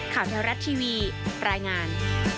ข่าวเท้ารัดทีวีปลายงาน